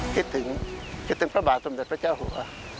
คิดถึงคิดถึงพระบาทสมเด็จพระเจ้าหัว